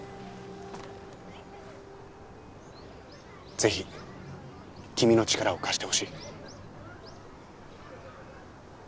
ぜひ君の力を貸してほしい。